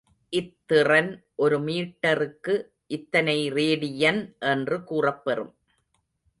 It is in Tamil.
இத்திறன் ஒரு மீட்டருக்கு இத்தனை ரேடியன் என்று கூறப்பெறும்.